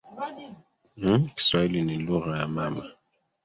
Kiswahili ni lugha ya mama.